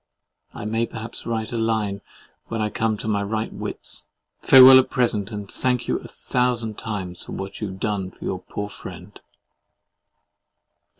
I may perhaps write a line when I come to my right wits.—Farewel at present, and thank you a thousand times for what you have done for your poor friend.